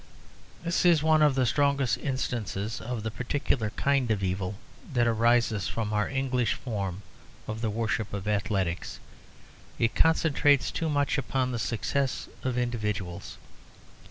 This is one of the strongest instances of the particular kind of evil that arises from our English form of the worship of athletics. It concentrates too much upon the success of individuals.